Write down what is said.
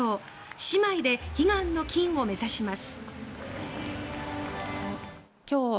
姉妹で悲願の金を目指します。